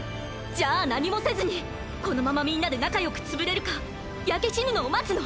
じゃあ何もせずにこのままみんなで仲良く潰れるか焼け死ぬのを待つの？